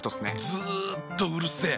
ずっとうるせえ。